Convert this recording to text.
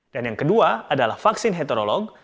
yang kedua adalah vaksin heterolog